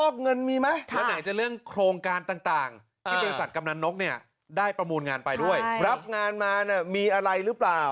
กำลังนกเนี่ยได้ประมูลงานไปด้วยรับงานมาเนี่ยมีอะไรหรือเปล่า